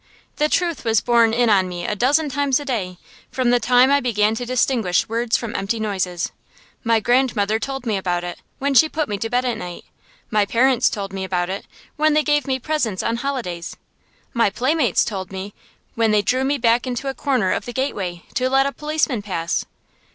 The truth was borne in on me a dozen times a day, from the time I began to distinguish words from empty noises. My grandmother told me about it, when she put me to bed at night. My parents told me about it, when they gave me presents on holidays. My playmates told me, when they drew me back into a corner of the gateway, to let a policeman pass.